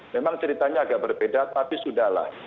memang ceritanya agak berbeda tapi sudahlah